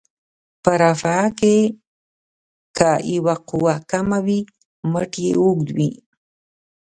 په رافعه کې که یوه قوه کمه وي مټ یې اوږد وي.